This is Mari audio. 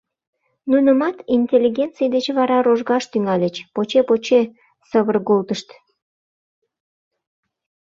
Нунымат интеллигенций деч вара рожгаш тӱҥальыч, поче-поче сывырголтышт.